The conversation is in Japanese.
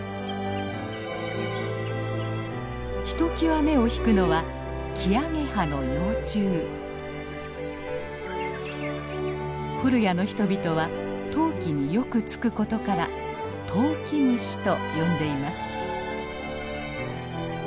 ひときわ目を引くのは古屋の人々はトウキによくつくことから「トウキムシ」と呼んでいます。